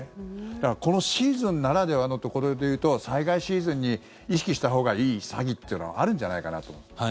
だから、このシーズンならではのところでいうと災害シーズンに意識したほうがいい詐欺っていうのがあるんじゃないかなと思うんですが。